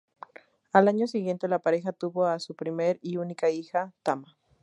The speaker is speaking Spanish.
Al año siguiente la pareja tuvo a su primer y única hija, Tama.